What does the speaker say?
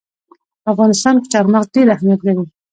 په افغانستان کې چار مغز ډېر اهمیت لري.